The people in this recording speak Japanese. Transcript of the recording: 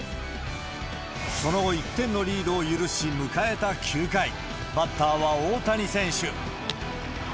その後、１点のリードを許し、迎えた９回、バッターは大谷選手。